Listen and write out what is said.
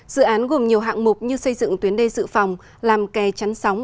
dự án gồm nhiều hạng mục như xây dựng tuyến đê dự phòng làm kè chắn sóng